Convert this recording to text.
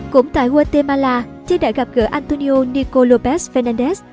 cũng tại guatemala ché đã gặp gỡ antonio nicolópez fernández